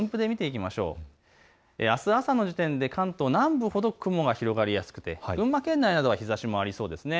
あす朝の時点で関東、南部ほど雲が広がりやすくて群馬県内は日ざしもありそうです。